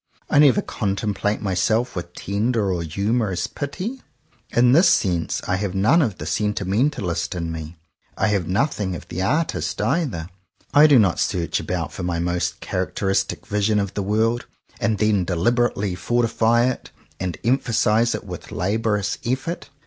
I never contemplate myself with tender or humorous pity. In this sense I have none ofthe sentimentalist in me. I have nothing of the artist either. I do not search about for my most characteristic vision of the world, and then deliberately fortify it and emphasize it with laborious effort.